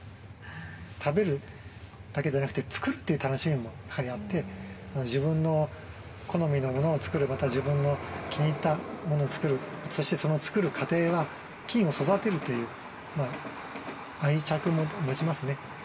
食べるだけじゃなくて作るという楽しみもやはりあって自分の好みのものを作るまた自分の気に入ったものを作るそしてその作る過程は菌を育てるという愛着も持ちますね。